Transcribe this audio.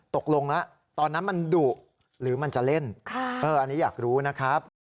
ตกลงแล้วตอนนั้นมันดุหรือมันจะเล่นอันนี้อยากรู้นะครับ